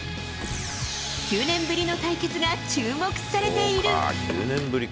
９年ぶりの対決が注目されている。